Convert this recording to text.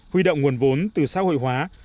huy động nguồn vốn từ xã hội hóa